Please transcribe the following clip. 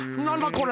これ。